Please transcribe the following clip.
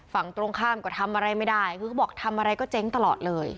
ฝั่งตรงข้ามก็ทำอะไรไม่ได้คือเขาบอกทำอะไรก็เจ๊งตลอดเลย